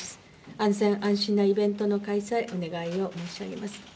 安全安心なイベントの開催、お願いを申し上げます。